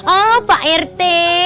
oh pak rt